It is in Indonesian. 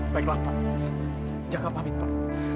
baiklah pak jaga pamit pak